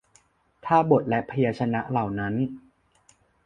ถ้าบทและพยัญชนะเหล่านั้น